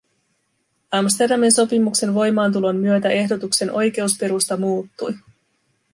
Amsterdamin sopimuksen voimaantulon myötä ehdotuksen oikeusperusta muuttui.